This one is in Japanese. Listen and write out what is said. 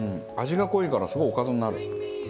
味が濃いからすごいおかずになる。